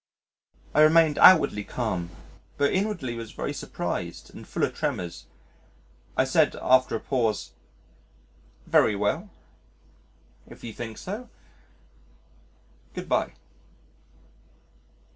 I remained outwardly calm but inwardly was very surprised and full of tremors. I said after a pause, "Very well, if you think so.... Good bye."